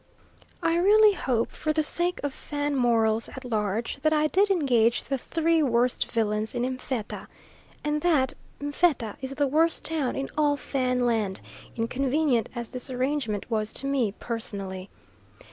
I really hope for the sake of Fan morals at large, that I did engage the three worst villains in M'fetta, and that M'fetta is the worst town in all Fan land, inconvenient as this arrangement was to me personally.